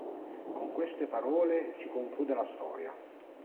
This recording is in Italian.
Con queste parole si conclude la storia.